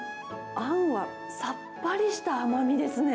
あんはさっぱりした甘みですね。